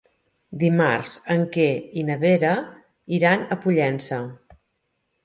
Dimarts en Quer i na Vera iran a Pollença.